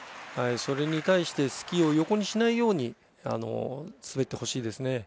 それに対してスキーを横にしないように滑ってほしいですね。